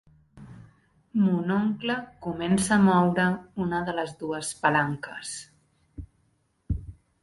Mon oncle comença a moure una de les dues palanques.